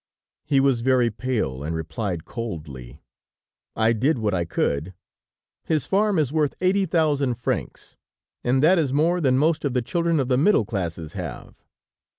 He was very pale, and replied coldly: "I did what I could. His farm is worth eighty thousand francs, and that is more than most of the children of the middle classes have."